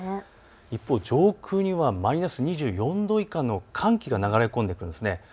一方、上空にはマイナス２４度以下の寒気が流れ込んでくるんです。